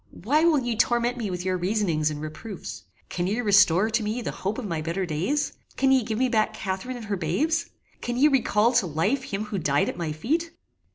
Why will ye torment me with your reasonings and reproofs? Can ye restore to me the hope of my better days? Can ye give me back Catharine and her babes? Can ye recall to life him who died at my feet?